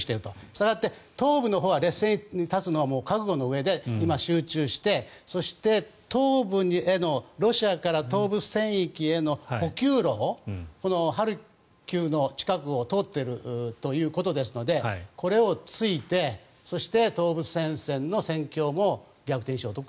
したがって東部が劣勢に立つのは覚悟のうえで今、集中して東部へのロシアから東部戦域への補給路、ハルキウの近くを通っているということですのでこれを突いてそして東部戦線の戦況も逆転しようと。